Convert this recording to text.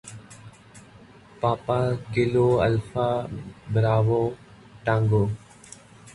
papa kilo alfa bravo tanggo